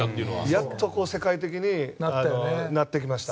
やっと世界的になってきました。